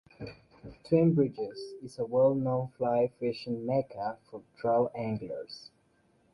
Twin Bridges is a well-known fly fishing mecca for trout anglers.